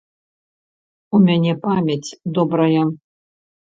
У мяне памяць добрая.